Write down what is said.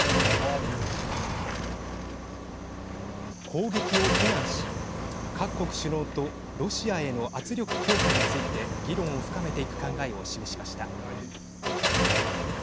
攻撃を非難し各国首脳とロシアへの圧力強化について議論を深めていく考えを示しました。